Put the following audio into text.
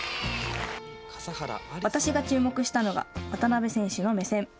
私が注目したのが渡部選手の目線。